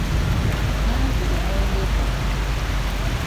Nanziri n'endeku.